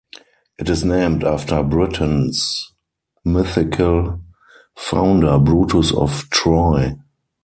It is named after Britain's mythical founder, Brutus of Troy.